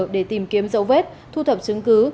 để tìm kiếm dấu vết thu thập chứng cứ